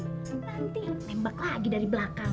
nanti nembak lagi dari belakang